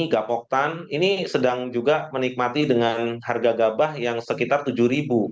gapoktan ini sedang juga menikmati dengan harga gabah yang sekitar tujuh ribu